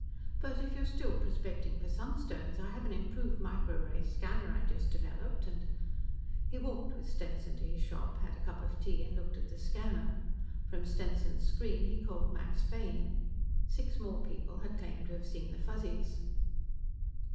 But if you're still prospecting for sunstones, I have an improved micro ray scanner I just developed, and...." He walked with Stenson to his shop, had a cup of tea and looked at the scanner. From Stenson's screen, he called Max Fane. Six more people had claimed to have seen the Fuzzies.